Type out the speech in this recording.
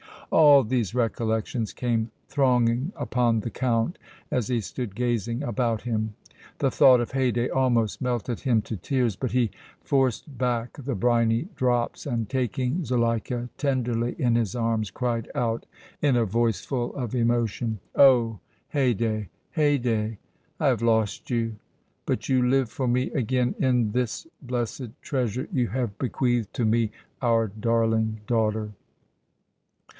All these recollections came thronging upon the Count as he stood gazing about him. The thought of Haydée almost melted him to tears, but he forced back the briny drops, and, taking Zuleika tenderly in his arms, cried out, in a voice full of emotion: "Oh! Haydée, Haydée, I have lost you, but you live for me again in this blessed treasure you have bequeathed to me our darling daughter!"